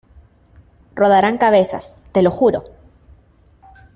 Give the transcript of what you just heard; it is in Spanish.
Rodarán cabezas, ¡te lo juro!